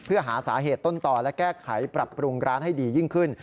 เพื่อหาสาเหตุต้นต่อและแก้ไขปรับปรุงร้านให้ดียิ่งขึ้น